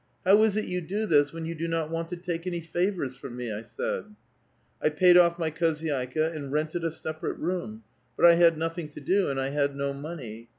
* How is it you do this when 3'ou do not want to take any favors from me?' I said. I paid off my khozydlka^ and rented a separate room ; but I had nothing lo do, and I had no money.